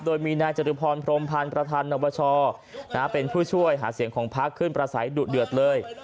โดยมีนายจตุพรพรมพันธ์ประธานนวชเป็นผู้ช่วยหาเสียงของพักขึ้นประสัยดุเดือดเลย